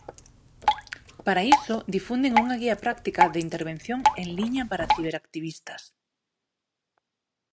Para iso, difunden unha Guía Práctica de Intervención en liña para Ciberactivistas.